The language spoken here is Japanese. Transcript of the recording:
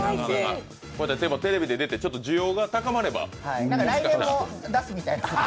テレビで出て需要が高まれば。